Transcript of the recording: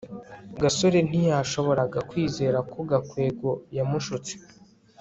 gasore ntiyashoboraga kwizera ko gakwego yamushutse